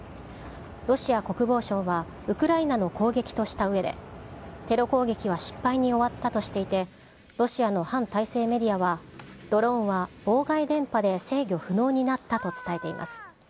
ロシア国防省は、ウクライナの攻撃としたうえで、テロ攻撃は失敗に終わったとしていて、ロシアの反体制メディアは、ドローンは妨害電波で制御不能になったと伝えています。